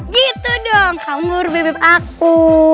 gitu dong kamu berbeb beb aku